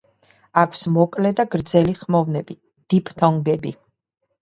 აქვს მოკლე და გრძელი ხმოვნები, დიფთონგები.